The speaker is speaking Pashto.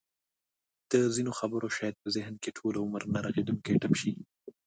د ځینو خبره شاید په ذهن کې ټوله عمر نه رغېدونکی ټپ شي.